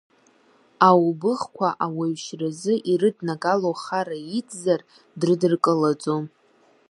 Аубыхқәа ауаҩшьразы ирыднагало ахара идзар дрыдыркылаӡом.